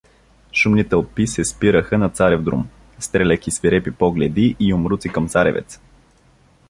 Шумни тълпи се спираха на Царев друм, стреляйки свирепи погледи и юмруци към Царевец.